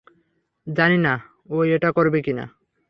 জানি না ও এটা করবে কিনা।